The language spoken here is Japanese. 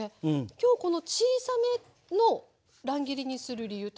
今日この小さめの乱切りにする理由ってあるんですか？